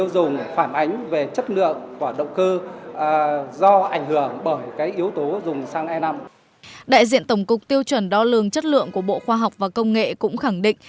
đại diện tổng cục tiêu chuẩn đo lường chất lượng của bộ khoa học và công nghệ cũng khẳng định